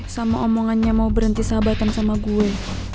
sama omongannya mau berhenti sahabatan sama gue